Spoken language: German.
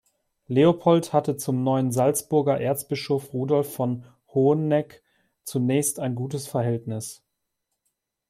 Leopold hatte zum neuen Salzburger Erzbischof Rudolf von Hoheneck zunächst ein gutes Verhältnis.